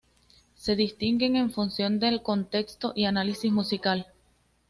Se distinguen en función del contexto y análisis musical.